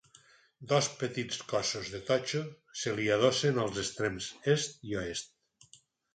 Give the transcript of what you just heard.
Dos petits cossos de totxo se li adossen als extrems est i oest.